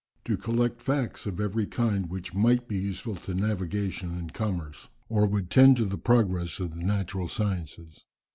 To collect facts of every kind which might be useful to navigation and commerce, or would tend to the progress of the natural sciences.